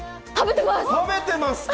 食べてますか！